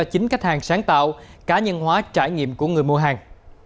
chính khách hàng sáng tạo cá nhân hóa trải nghiệm của người mua hàng